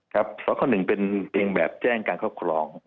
ครับสค๑เป็นแบบแจ้งการครอบครอง